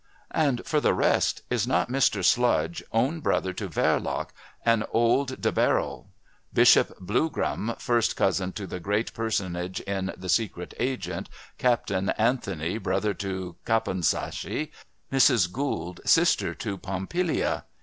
And for the rest, is not Mr Sludge own brother to Verloc and old De Barrel? Bishop Blougram first cousin to the great Personage in The Secret Agent, Captain Anthony brother to Caponsacchi, Mrs Gould sister to Pompilia?